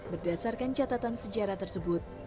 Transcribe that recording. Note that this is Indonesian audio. berdasarkan catatan sejarah tersebut